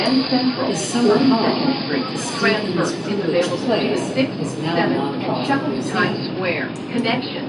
His summer home, The Stevens-Coolidge Place, is now a nonprofit museum.